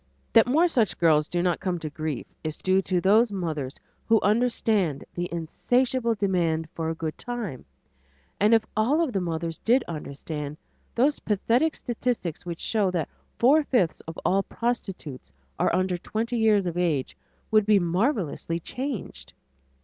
That more such girls do not come to grief is due to those mothers who understand the insatiable demand for a good time, and if all of the mothers did understand, those pathetic statistics which show that four fifths of all prostitutes are under twenty years of age would be marvelously changed.